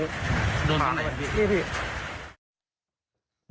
นี่พี่